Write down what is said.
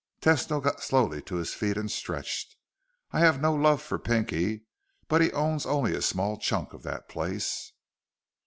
Tesno got slowly to his feet and stretched. "I have no love for Pinky. But he owns only a small chunk of that place."